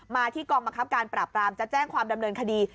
มาที่กองบังคับการปราบปรามจะแจ้งความดำเนินคดี